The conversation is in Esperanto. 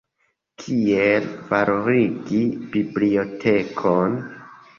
Kiel valorigi bibliotekon.